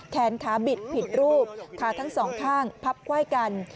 แขนขาบิดผิดรูปขาทั้งสองข้างพับไขว้กัน